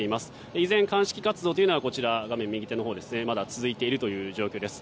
依然、鑑識活動というのはまだ続いているという状況です。